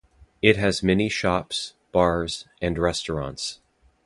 It has many shops, bars and restaurants.